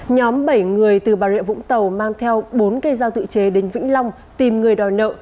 nhóm bảy người từ bà rịa vũng tàu mang theo bốn cây dao tự chế đến vĩnh long tìm người đòi nợ